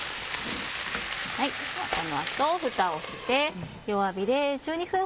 この後ふたをして。